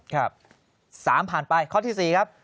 ครับ๓ผ่านไปข้อที่๔ครับ